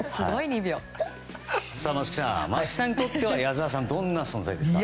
松木さんにとっては矢沢さん、どんな存在ですか？